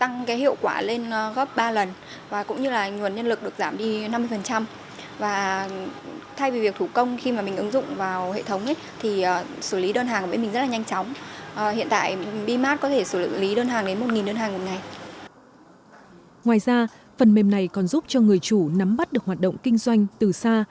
ngoài ra phần mềm này còn giúp cho người chủ nắm bắt được hoạt động kinh doanh từ xa